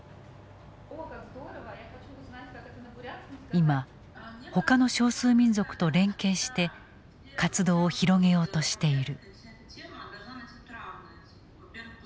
今ほかの少数民族と連携して活動を広げようとしている。